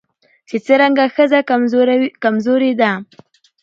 چې څرنګه ښځه کمزورې ده